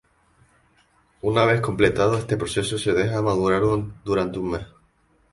Una vez completado este proceso se deja madurar durante un mes.